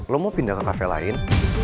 lo mau pindah ke kafe lain